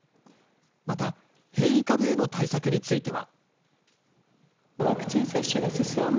また変異株への対策については。